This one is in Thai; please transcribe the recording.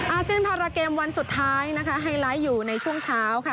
อาเซียนพาราเกมวันสุดท้ายนะคะไฮไลท์อยู่ในช่วงเช้าค่ะ